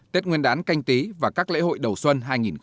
tết nguyên đán canh tí và các lễ hội đầu xuân hai nghìn hai mươi